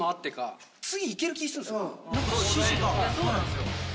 そうなんすよ。